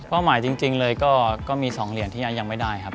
เพราะว่าหมายจริงเลยก็มี๒เหรียญที่อาจยังไม่ได้ครับ